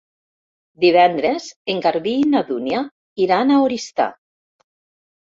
Divendres en Garbí i na Dúnia iran a Oristà.